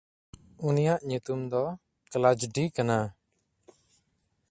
ᱩᱱᱤᱭᱟᱜ ᱧᱩᱛᱩᱢ ᱫᱚ ᱠᱞᱟᱡᱰᱤ ᱠᱟᱱᱟ᱾